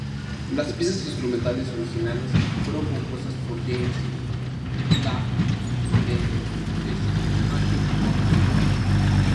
Las pistas instrumentales originales fueron compuestas por James Iha de The Smashing Pumpkins.